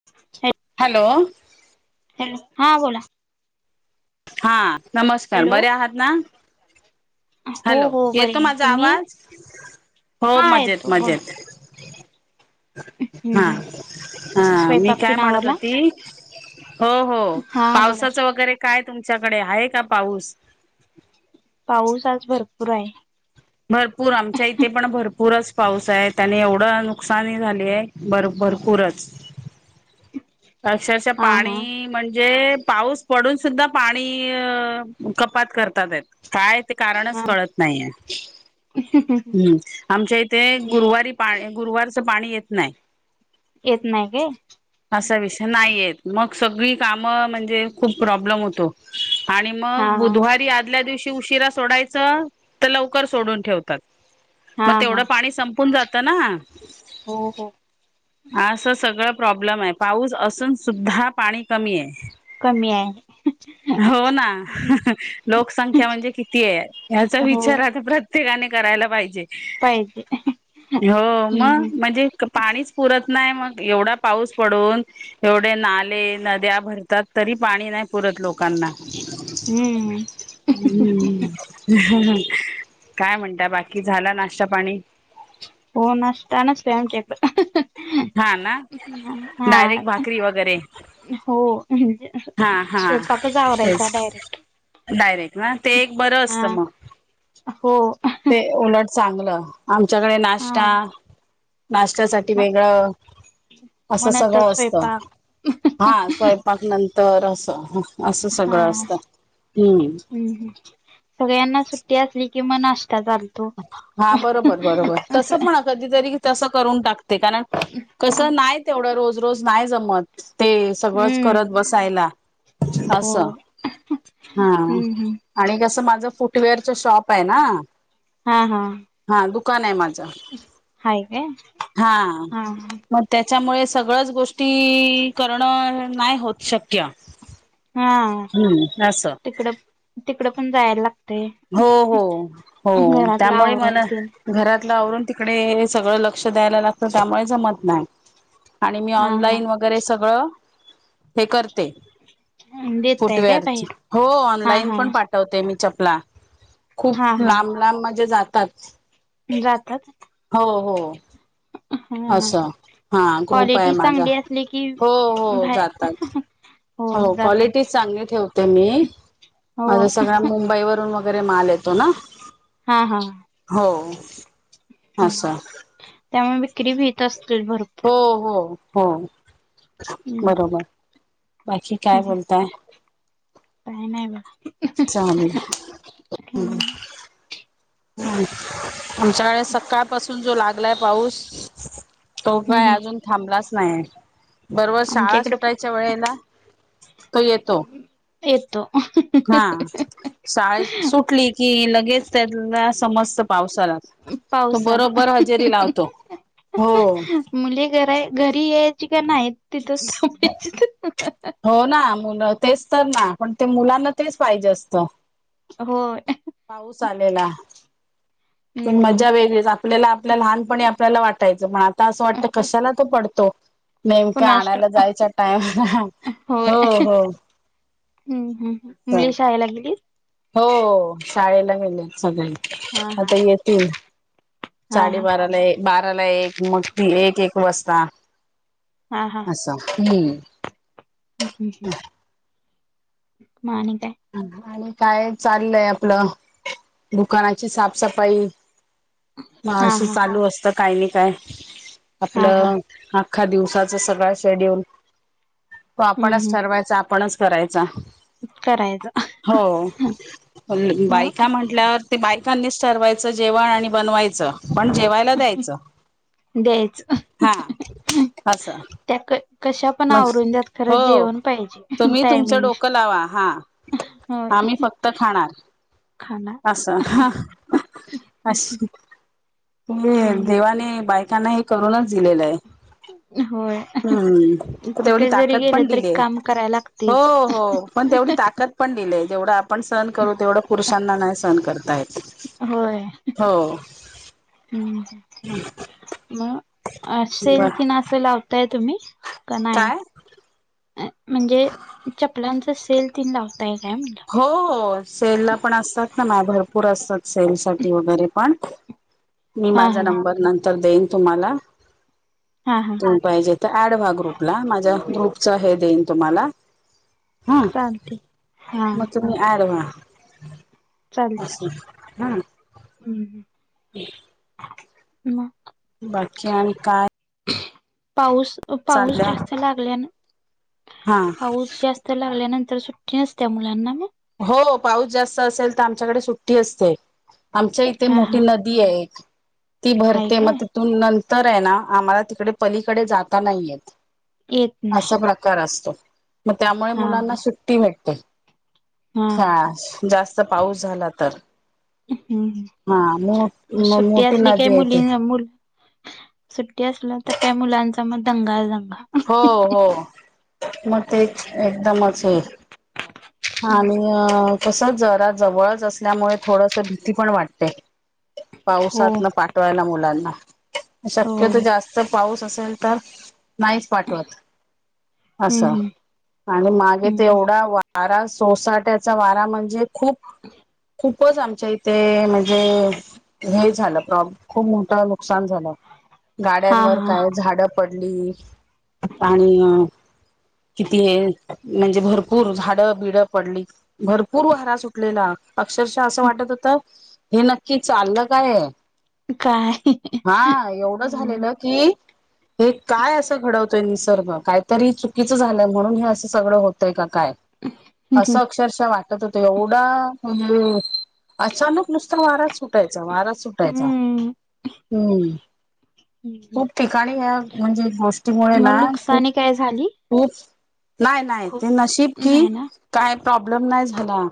[unintelligible] Hello hello हा बोला नमस्कार! बरे आहात? हो हॅलो हो बरी येतो आहे माझा तुम्ही आवाज? हो हा मजेत येतो बोला मजेत. हम्म हा हम्म हा मी स्वयंपाक काय तीन म्हणत आवरला होती. हो हो हा बोला पावसाच की वगैरे काय तुमच्याकडे आहे का पाऊस. पाऊस आज भरपूर आहे. भरपूर आमच्या इथे पण भरपूरच पाऊस आहे त्याने एवढं नुकसानी झाली आहे. बर भरपूरच. अक्षरशः हा हा पाणी म्हणजे पाऊस पडून सुद्धा पाणी कपात करतात आहेत. काय ते कारणच हा कळत नाहीये. हम्म आमच्या इथे गुरुवारी पा गुरुवारचं पाणी येत नाही. येत नाही काय? असा विषय नाही येत मग सगळी कामं म्हणजे खूप प्रॉब्लेम होतो. आणि हा मग हा बुधवारी आदल्या दिवशी उशीरा सोडायच तर लवकर सोडून ठेव तात हा मग हा तेवढं पाणी संपून जात ना. हो हो. असं सगळं प्रॉब्लेम आहे पाऊस असून सुद्धा पाणी कमी आहे. कमी आहे. हो ना, लोकसंख्या म्हणजे किती आहे याचा हो विचार आता प्रत्य त्येकाने करायला पाहिजे, पाहिजे हो हम्म मग म्हणजे पाणीच पुरत नाही मग एवढा पाऊस पडून एवढे नाले, नद्या भरतात तरी पाणी नाही पुरत लोकांना हम्म. हम्म, काय म्हणता बाकी झाला नाश्ता पाणी? हो नाश्ता नसतोय आमच्या इथं. हां ना! डायरेक्ट भाकरी वगैरे. हो म्हणजे हा हा स्वयंपाकच आवरायचा तेच डायरेक्ट. डायरेक्ट ना ते एक बरं हा असतं मग. हो. ते उलट चांगल. आमच्याकडे हा नाश्ता नाश्त्यासाठी म वेगळं मग असं नंतर सगळं असतं. स्वयंपाक हां स्वयंपाक नंतर असं, असं हा सगळं असतं हम्म. हम्म हम्म सगळ्यांना सुट्टी असली कि मग नाश्ता चाल हां बरोबर बरोबर तसं पण कधीतरी तसं करून टाकते कारण कसं नाही तेवढं रोज रोज नाही जमत ते सगळंच हम्म करत बसायला असं होय हां. हम्म हम्म आणि कसं माझं फुटवेअरच शॉप आहे ना हां हां. हां दुकान आहे माझं हाय काय हां. हा हा त्याच्यामुळे सगळंच गोष्टी करणं नाही होत शक्य. हां हम्म असं तिकड, तिकडं पण जायला लागत हो हो हो घरातलं त्यामुळे आवरून मला तेन घरातलं आवरून तिकडे सगळं लक्ष द्यायला लागतं त्यामुळे जमत नाही. आणि मी हा हा ऑनलाईन वगैरे सगळं हे करते. देताय काय फुटवेअरच, बाहेर हो हा ऑनलाइन हा पण पाठवते मी चपला खूप हा हा लांब लांब म्हणजे जातात. जातात? हो हो. हा हा असं हां ग्रुप आहे क्वालिटी माझा चांगली असली की हो हो बाहेर जातात. हो क्वालिटी चांगली ठेव ते मी, हो माझा सगळा मुंबई वरून वगैरे माल येतो ना. हा हा हो असं. त्यामुळ विक्री भीत असतील भर हो हो हो हम्म बरोबर, बाकी काय बोलताय? काय नाही बा. चालेल हू! हम्म हू आमच्याकडे सकाळ पाासून, जो लागलाय पाऊस. तो काय अजून थांबलाच नाहीय. बरबर आमच्या शाळा इकडे सुटायच्या वेळेला तो येतो. येतो. हा शाळेत सुटली की लगेच त्याला समजतं पाव सालाच तो पावसाला बरोबर हजेरी लावतो हो. मुले घरा घरी यायची का नाही तिथंच थांबायची. हो ना मुलं तेच तर ना पण ते मुलांना तेच पाहिजे असतं. होय! पाऊस आलेला, ती हम्म मज्जा वेगळीच आपल्याला आपल्या लहानपणी आप ल्याला वाटायचं, म आता अस वाटतं हो कशाला तो पडतो. नेमक कुणास आणायला ठाऊक जायच्या टाइमला, हो हो! हू हू मुले शाळेला गेलीत? हो शाळेला गेलेत सगळे हा हा आता येतील. हा हा साडेबारा ला ए, बाराला एक मग ती एक, एक वाजता. हा हा! असं हू. हू हू! म आणि काय? आणि काय चालंय आपलं. दुकानाची साफसफाई म हा अशी हा चालू असतात. काय नी काय हा हा आपलं आख्खा दिवसाचं सगळा शेड्यूल. तो हम्म आपणच हम्म ठरवायचा आपणच करायचा. करायचं हो होनल बाईक. मग म्हंटल्यावर ते बायकांनी च ठरवायच जेवण आणि बनवायच पण जेवाय ला द्यायच द्यायचं हा अस. त्या क-कश्या पण आवरून द्यात खरं हो जेवण पाहिजे तुम्ही तुमचं टायमिंग. डोकं लावा हा होय आम्ही फक्त खाणारं. खाणार अस हा अशी. हे हम्म देवाने बायकांना ऐक करुनच दिलेल आहे होय हूं! तेवढी कुठे जरी ताकद गेले पण तरी दिलीय काम करायला हो लागतेच हो! हो पण तेवढी ताकद पण दिलीय, जेवढ आपण सहनं करू तेवढं पुरुषांना नाही सहनं करता येत. होय हो हू मं! अ सेल ब किन असं लावताय तुम्ही का नाय? काय? अ म्हणजे चपलांचा सेल तीन लावताय काय म्हणलं. हो हो सेल ला पण असतात ना मा भरपूर असतात सेल साठी वगैरे पण. [inaudible] मी माझा हा नंबर नंतर देईन तुम्हाला. हा हा. तुम्ही पाहिजे तर, ऍड व्हा ग्रुपला. माझ्या ग्रुपचा हे देईन तुम्हाला हा चालती. मग तुम्ही ऍड व्हा, चालते असं. हा. हम्म हम्. ह मग? बाकी आणि काय? पाऊस पाऊस चालल्या जास्त लागले ना, हा पाऊस जास्त तर लागल्यानंतर सुट्टी नसत्या, मुलांना मग? हो, पाऊस जास्त असेल तर आमच्याकडे सुट्टी असते. आमच्या इथे हा मोठी हा नद दी ये, ती हाय भरते. काय मग तून नंतर आहे ना, आम्हाला तिकडे पलीकडे जाता नाही येत. येत नाही अस प्रक कार असतो. मग त्यामुळे हा मुलांना, हा सुट्टी भेटते हा शाळास. जास्त पाऊस झाला तर. हम्म, हा मो मग सुट्टी मोठी असली काय नदी आहे मुलीं ती मुल सुट्टी असलं तर काय? मुलांचा मग दंगाच दंगा. हो हो, मग ते एकदमच हे आणि कसं जरा जवळच असल्यामुळे, थोडसं भीती पण वाटते. हो पावसातनं पाठवायला मुलांना, हो शक्यतो जास्त जर पाऊस असेल तर, नाहीच पाठवत, हम्म असं. हम्म आणि मागे हम्म हम्म तेवढा वारा, सोसाट्याचा वारा म्हणजे खूप खूपच आमच्या इथे म्हणजे लई झाला प्रोब्लेम. खूप मोठं नुकसान झालं, हा गाड्यांवर हा काय, झाडं पडली. पाणी किती आहे? म्हणजे भरपूर झा झाडंबिड पडली. भरपूर वारा सुटलेला, अक्षरशः असं वाटत होतं हे नक्की चाललं काय आहे? काय हा, एवढं हम्म झालेलं की हे, काय असं घडवतोय निसर्ग. काहीतरी चुकीचं झालंय, म्हणून हे असं सगळं होतय का काय? हं. असं अक्ष् अक्षरशः वाटत होतं. एवढा म्हणजे अचानक नुसता वाराच सुटायचा वारा च सुटायचा. हम्म हम्म. हम्म खूप ठिकाणी या म्हणजे गोष्टीमुळे मग ना, खूप नुकसानी काय झाली खुप. नाय नाय खूप ते नशीब की, नाही ना काय प्रॉब्लेम नाय झाला.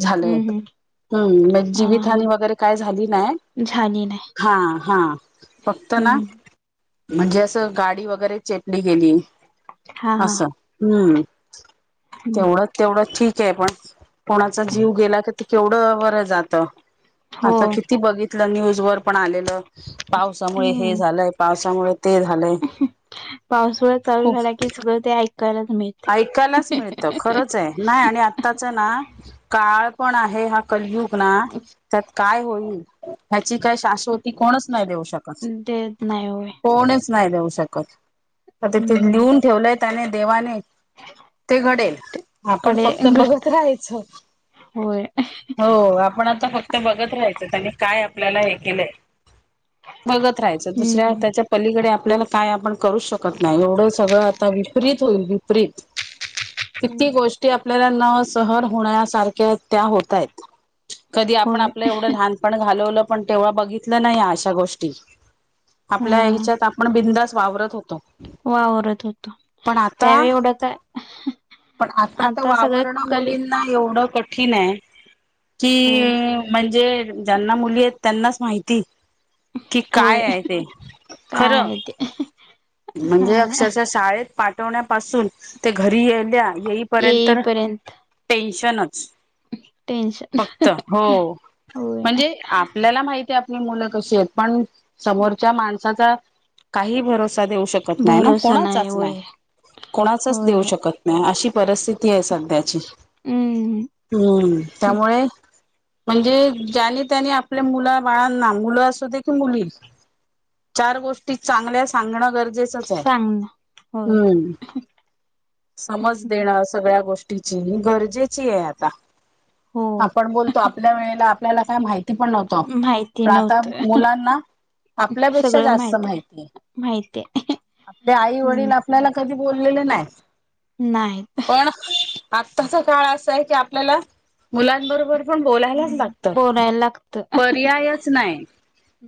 झालं हम्म एक. हम्म मी हा जीवितहानी हा वगैरे, काय झाली नाही, झाली नाही. हा हा, फक्त ना हम्म म्हणजे असं गाडी वगैरे, चेपली गेली हा हा असं. हम्म. हम्म तेवढं, तेवढं ठीक आहे, पण कोणाचा जीव गेला की केवढं वरं जातं. हो आता किती बघितलं, न्यूज वर पण आलेलं. पावसामुळे हे हम्म झालंय, पावसामुळे ते झालंय. पाऊसुळा, चालू खूप झाला की सगळं कळालं का नाही? ऐकायलाच मिळतं, खरंच ये नाही आणि आत्ताच ना काळ पण आहे, हा कलयुग ना त्यात काय होईल, ह्याची काय शाशवत ती कोणच नाही देऊ शकत, ते नाही होय कोणच नाही देऊ शकत. आता ते हम्म लिहून ठेवलंय त्याने देवाने. [inaudible] ते घडेल ते आपण कडे फक्त बघत राहायचं. होय हो आपण आता फक्त बघत राहायचं, त्यांनी काय आपल्याला हे केलंय. बघत राहायचं दुसऱ्या हम्म त्याच्या पलीकडे आपल्याला काय आपण करू शकत नाही, एवढं सगळं आता विपरीत होईल विपरीत. किती गोष्टी आपल्या न सहन होणाऱ्या सारखे त्या होतायंत कधी आपण होय आपलं एवढं लहान पण घालवलं पण तेव्हा बघितलं नाही, अशा गोष्टी. हा आपल्या ह्याच्यात आपण बिंदास वावरत होतो. वावरत होतो. पण आता त्यावेळी एवढं काय, आता सगळं कठी नाही एवढं कठीण आहे. कि हो म्हणजे ज्यांना मुली आहेत, त्यांनाच माहिती. कि काय आहे ते, खरं. अं, हं, हु. म्हणजे अक्षरशा शाळेत पाठवण्यापासून ते घरी येन्या येईपर्यंत ना टेन्शनचं टेन्शन फक्त, हो होय म्हणजे आ आपल्याला माहिती ये आपली मुलं कशी आहेत, पण समोरच्या माणसाचा काही भरोसा देऊ शकत नाही ना, भरोसा कोणाचाच नाही, होय कोणाचाच होय देऊ होय शकत नाही अशी परिस्थिती आहे सध्याची, हम्म हम् त्यामुळे म्हणजे ज्याने- त्याने आपल्या मुला बाळांना मुलं असू दे की मुली चार गोष्टी चांगल्या सांगणं गरजेचंच आहे, सांग ना होय हम्. समज देणं सगळ्या गोष्टीची गरजेची ये आता. हो आपण बोलतो आपल्या वेळेला आपल्याला काय माहिती पण नव्हतं. हा, माहिती पण आता नव्हतं मुलांना आपल्यापेक्षा जास्त माहिती ये. माहितीये. आपले आई- वडील आपल्याला कधी बोललेले नाही. नाही. पण आत्ताचा काळ असा आहे की आपल्याला मुलांबरोबर आपण बोलायलाचं लागतं, बोलायला लागत पर्यायच नाही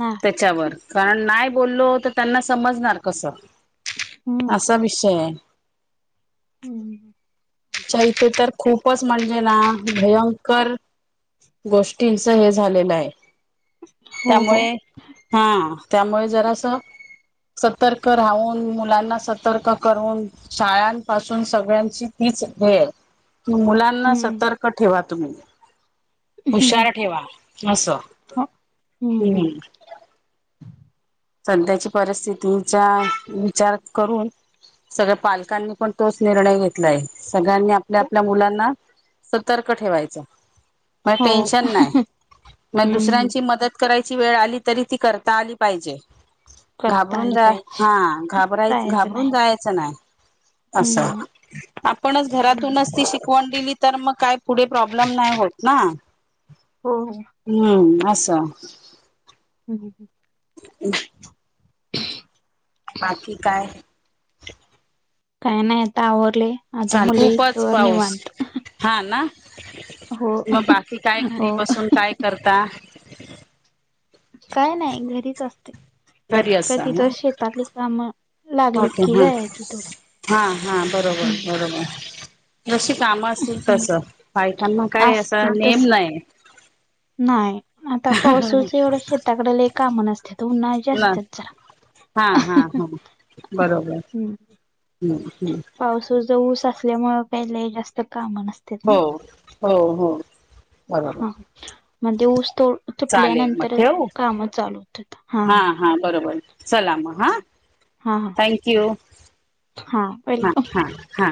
नाही त्याच्यावर. कारण नाही बोललो तर त्यांना समजणार कसं, हम्म असा विषय ये. हम्, आमच्या इथे तर खूपच म्हणजे ना भयंकर गोष्टींच हे सगळं झालेलं आहे. हो हो त्यामुळे हा त्यामुळे जरा असं सतर्क राहून, मुलांना सतर्क करून शाळांपासून सगळ्यांची तीच भेय, की मुला ना, हम्म सतर्क ठेवा तुम्ही, हम्म हुशार ठेवा असं. हो हम्म, सध्याची परिस्थितीचा विचार करून सगळ्या पालकांनी पण तोच निर्णय घेतलाय. सगळ्यांनी आपल्या आपल्या मुलांना सतर्क ठेवायच. म हो टेनशन नाही. म हम्म दुसऱ्यांची मदत करायची वेळ आली तरी ती करता आली पाहिजे. करता घाबरून आली जा, पाहिजे हा घाबरायच जायचं नाही घाबरून जायच नाही. अस, हम्म आपणच घरातूनच ती शिकवण दिली तर मग ग काय पुढे प्रॉब्लेम नाही होत ना. हो हो हम्म अस हम्म हम्म [inaudible] बाकी काय काही नाही आता आवरले. आता चाल मुले येस खूपच तोवर पाऊस निवांत. हा ना, हो मग बाकी काय घरी हो बसून काय करता? काय नाही घरीच असते. घरी असा ना कधीतरी शेतातली काम. लागलीत ओके की जायाच थोड. हा हा बरोबर बरोबर. जशी काम असतील हम्म. तस. बायकांना काय असा असतील नेम तस नाही. नाही, आता पावसाळ्याचा शेताकडे लय काम नसत्यात. उन्हाळ्याचे ना असतात जरा. हा हा हा बरोबर. ह ह तुझ ऊस असल्यामुळे काही ल‌ई जास्त काम नस हो हो हो बरोबर हा, म ते ऊस तोड चालेल मग तुटल्यानंतर काम चालू होतात. हा हा बरोबर. चला म हा, हा हा थँक यू. हा, ह वेलकम हा हा